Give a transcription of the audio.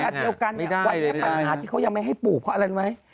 อันเดียวกันเกือบเวลาปัญหาที่เขาก็ยังไม่ได้ให้ปลูกเพราะอะไรอ่ะรู้ไหม